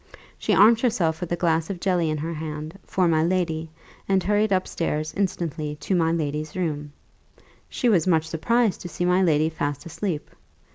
She armed herself with a glass of jelly in her hand, for my lady, and hurried up stairs instantly to my lady's room. She was much surprised to see my lady fast asleep.